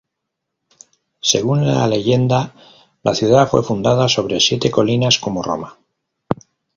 Según la leyenda, la ciudad fue fundada sobre siete colinas como Roma.